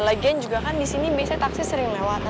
lagian juga kan disini biasanya taksi sering lewat